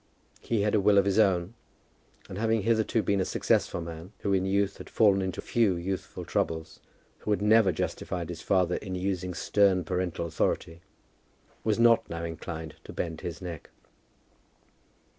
He had a will of his own, and having hitherto been a successful man, who in youth had fallen into few youthful troubles, who had never justified his father in using stern parental authority, was not now inclined to bend his neck.